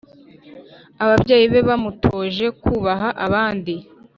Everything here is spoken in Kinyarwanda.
ababyeyi be bamutoje kubaha abandi